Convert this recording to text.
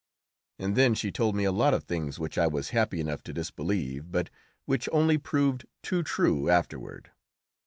And then she told me a lot of things which I was happy enough to disbelieve, but which only proved too true afterward.